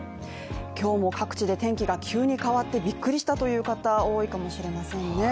今日も各地で天気が急に変わってびっくりしたという方多いかもしれませんね